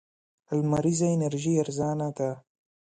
لمريزه انرژي ارزانه ده.